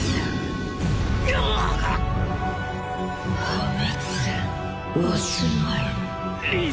破滅おしまい。